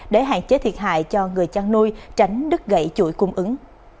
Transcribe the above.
để hạn chế thiệt hại cho người chăn nuôi tránh đứt gãy chuỗi cung ứng